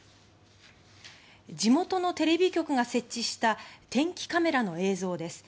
地元のテレビ局が設置した天気カメラの映像です。